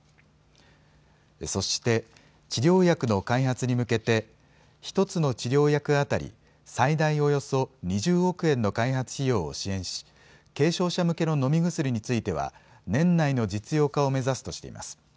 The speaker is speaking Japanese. そして、治療薬の開発に向けて１つの治療薬当たり最大およそ２０億円の開発費用を支援し軽症者向けの飲み薬については年内の実用化を目指すとしています。